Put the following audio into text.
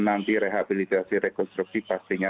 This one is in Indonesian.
nanti rehabilitasi rekonstruksi pastinya